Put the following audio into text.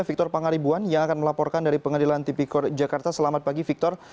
victor pangaribuan yang akan melaporkan dari pengadilan tipikor jakarta selamat pagi victor